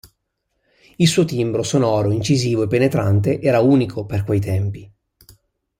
Il suo timbro sonoro incisivo e penetrante era unico per quei tempi.